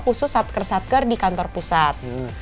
khusus satker satker di kantor pusat